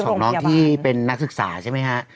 ถูกต้องเพราะว่ามีเคสของน้องที่เป็นนักศึกษาใช่ไหมฮะ